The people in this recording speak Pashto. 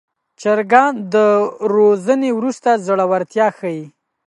چرګان د روزنې وروسته زړورتیا ښيي.